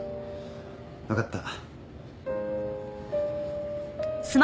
わかった。